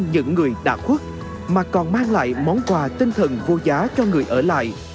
những người đã khuất mà còn mang lại món quà tinh thần vô giá cho người ở lại